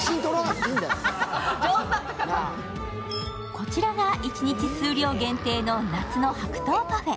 こちらが一日数量限定の夏の白桃パフェ。